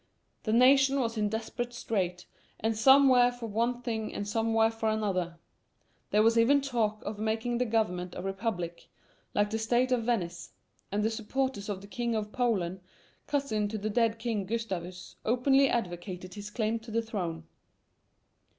The nation was in desperate strait, and some were for one thing and some were for another. There was even talk of making the government a republic, like the state of Venice; and the supporters of the king of Poland, cousin to the dead King Gustavus, openly advocated his claim to the throne.